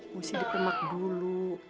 musidip emak dulu